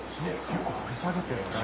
結構掘り下げてるのね。